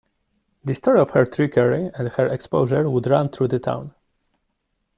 The story of her trickery and her exposure would run through the town.